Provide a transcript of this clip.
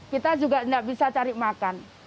kita juga tidak bisa cari makan